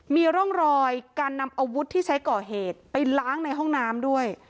มีร่องรอยการนำอาวุธที่ใช้ก่อเหตุไปล้างในห้องน้ำด้วย